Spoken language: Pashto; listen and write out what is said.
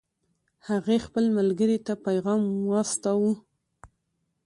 هغې خپل ملګرې ته پیغام واستاوه